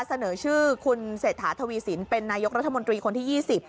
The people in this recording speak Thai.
เสนอชื่อคุณเศรษฐาทวีสินเป็นนายกรัฐมนตรีคนที่ยี่สิบ